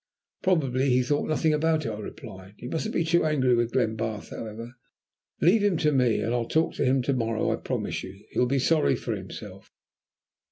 "Probably he thought nothing about it," I replied. "You mustn't be too angry with Glenbarth, however. Leave him to me, and I'll talk to him. To morrow, I promise you, he'll be sorry for himself.